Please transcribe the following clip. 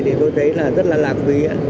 thì tôi thấy là rất là lạc quý